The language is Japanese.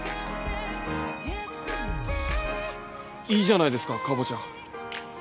いいじゃないですかカボチャ。